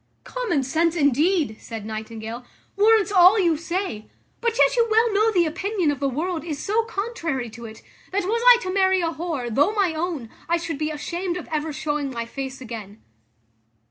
"Common sense, indeed," said Nightingale, "warrants all you say; but yet you well know the opinion of the world is so contrary to it, that, was I to marry a whore, though my own, I should be ashamed of ever showing my face again."